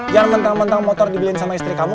jangan bentang bentang motor dibeliin sama istri kamu